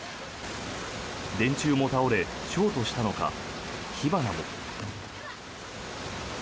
電柱も倒れショートしたのか、火花も。